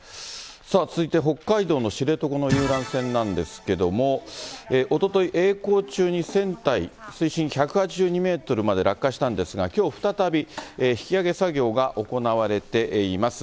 さあ、続いて北海道の知床の遊覧船なんですけども、おととい、えい航中に船体、水深１８２メートルまで落下したんですが、きょう再び引き揚げ作業が行われています。